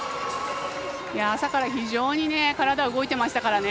朝から非常に体動いていましたからね。